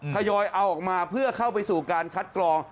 ทยอยเอาออกมาเพื่อเข้าไปสู่การคัดกรอง